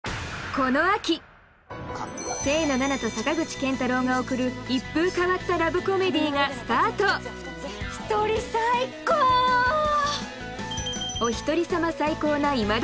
この秋清野菜名と坂口健太郎が送る一風変わったラブコメディーがスタート一人最高！